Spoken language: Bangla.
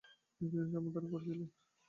তিনি কিছুদিন সম্পাদনা করেছিলেন।